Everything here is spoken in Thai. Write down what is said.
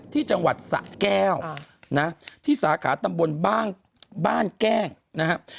ที่จังหวัดสะแก้วนะที่สาขาตำบลบ้านแก้งนะครับ